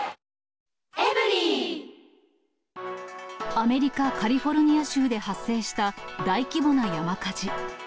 アメリカ・カリフォルニア州で発生した大規模な山火事。